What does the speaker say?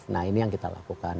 nah ini yang kita lakukan